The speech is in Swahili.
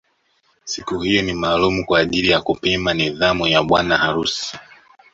Siku hiyo ni maalum kwa ajili ya kupima nidhamu ya bwana harusi